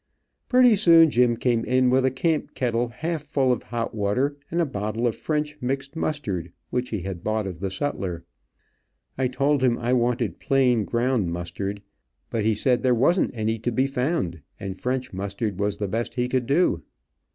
Pretty soon Jim came in with a camp kettle half full of hot water, and a bottle of French mixed mustard which he had bought of the sutler. I told him I wanted plain ground mustard, but he said there wasn't any to be found, and French mustard was the best he could do.